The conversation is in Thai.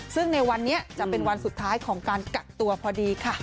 ซึ่งในวันนี้จะเป็นวันสุดท้ายของการกักตัวพอดีค่ะ